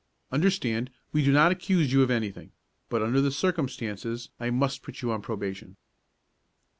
Understand, we do not accuse you of anything, but under the circumstances I must put you on probation."